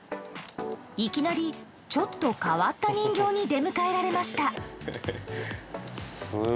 いきなりちょっと変わった人形に出迎えられました。